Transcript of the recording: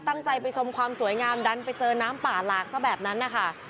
ตั้งใจไปชมความสวยงามดันไปเจอน้ำป่าหลากซะแบบนั้นนะคะ